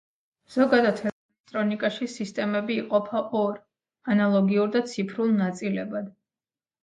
ზოგადად, ელექტრონიკაში სისტემები იყოფა ორ, ანალოგიურ და ციფრულ ნაწილებად.